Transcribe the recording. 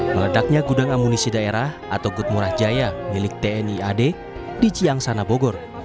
mengedaknya gudang amunisi daerah atau gudmurah jaya milik tni ad di ciyang sanabogor